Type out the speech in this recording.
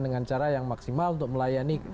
dengan cara yang maksimal untuk melayani